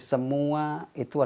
semua itu ada perubahan